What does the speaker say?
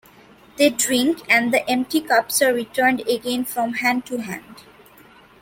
They drink, and the empty cups are returned again from hand to hand.